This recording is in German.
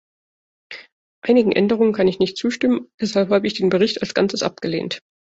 Einigen Änderungen kann ich nicht zustimmen, deshalb habe ich den Bericht als ganzes abgelehnt.